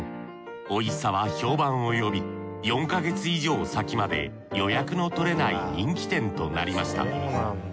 おいしさは評判を呼び４か月以上先まで予約の取れない人気店となりました。